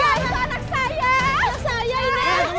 enggak ini anak saya ini tiara kamu kok yang udah ngambil anak saya